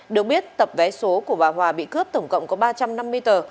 được biết tập vé số của bà hòa bị cướp tổng cộng có ba trăm năm mươi tờ